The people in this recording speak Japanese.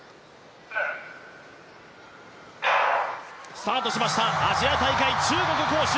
スタートしました、アジア大会中国・杭州。